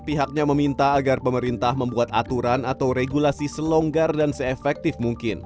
pihaknya meminta agar pemerintah membuat aturan atau regulasi selonggar dan se efektif mungkin